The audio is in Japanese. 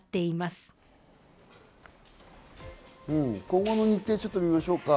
今後の日程を見ましょうか。